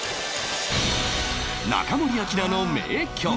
中森明菜の名曲